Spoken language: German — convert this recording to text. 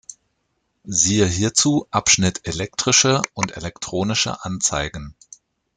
Siehe hierzu Abschnitt Elektrische und elektronische Anzeigen.